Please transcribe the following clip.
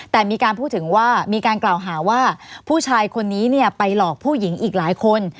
แต่มีการพูดถึงว่ามีการกล่าวหาว่าผู้ชายคนนี้ไปหลอกผู้หญิงอีกหลายคน